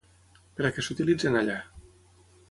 Per a què s'utilitzen allà?